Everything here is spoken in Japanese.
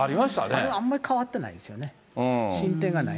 あれはあんまり変わってないですね、進展がない。